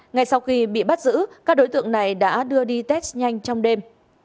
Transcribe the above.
ngay sau khi bị bắt giữ các đối tượng này đã đưa đi test nhanh trong đêm